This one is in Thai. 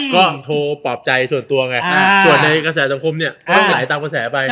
ก็โทรปลอบใจส่วนตัวไงส่วนในกระแสสังคมเนี่ยก็หายตามกระแสไป